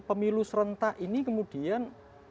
pemilu serentak ini kemudian